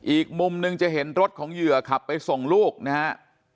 อีกมุมหนึ่งจะเห็นรถของเหยื่อขับไปส่งลูกนะฮะ